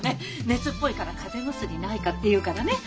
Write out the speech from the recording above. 「熱っぽいから風邪薬ないか」って言うからね